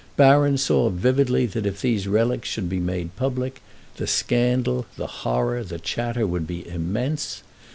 Baron saw vividly that if these relics should be made public the scandal, the horror, the chatter would be immense.